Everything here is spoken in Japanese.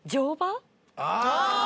ああ！